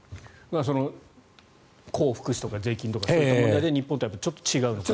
高福祉とか税金とかそういった問題で日本とはちょっと違うと。